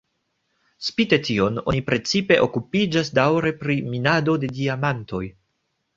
Spite tion, oni precipe okupiĝas daŭre pri minado de diamantoj.